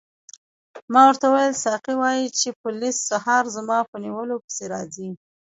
ما ورته وویل ساقي وایي چې پولیس سهار زما په نیولو پسې راځي.